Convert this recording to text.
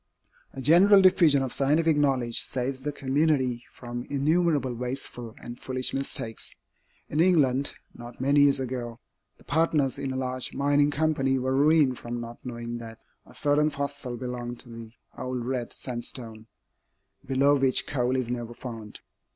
A general diffusion of scientific knowledge saves the community from innumerable wasteful and foolish mistakes. In England, not many years ago, the partners in a large mining company were ruined from not knowing that a certain fossil belonged to the old red sandstone, below which coal is never found.